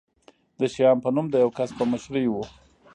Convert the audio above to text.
د شیام په نوم د یوه کس په مشرۍ و.